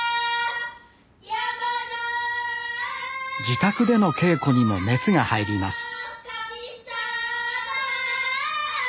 自宅での稽古にも熱が入ります